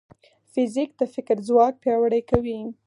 فزیک د فکر ځواک پیاوړی کوي.